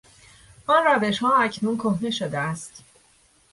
آن روشها اکنون کهنه شده است.